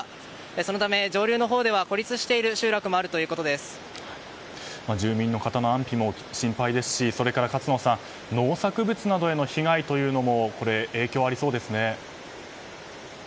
そのため、上流のほうでは孤立している集落も住民の方の安否も心配ですしそれから勝野さん農作物などへの被害というのも影響がありそうですね。